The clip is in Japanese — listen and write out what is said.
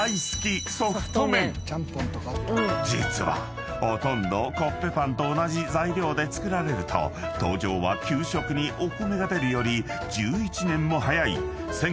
［実はほとんどコッペパンと同じ材料で作られると登場は給食にお米が出るより１１年も早い１９６５年］